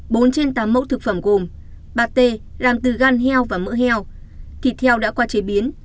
bốn trên tám mẫu thực phẩm gồm ba t làm từ gan heo và mỡ heo thịt heo đã qua chế biến